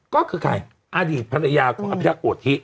ก็คือใครอดีตภรรยาของอภิรักษ์โกธิ